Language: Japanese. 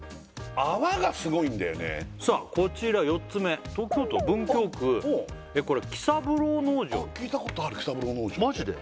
泡がすごいんだよねさあこちら４つ目東京都文京区これ喜三郎農場あっ聞いたことある喜三郎農場マジで？